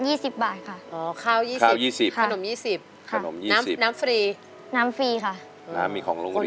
อ๋อข้าว๒๐บาทขนม๒๐บาทครับน้ำฟรีครับน้ำฟรีค่ะมีของโรงเรียน